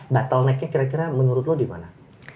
battle neck nya kira kira menurut lo dimana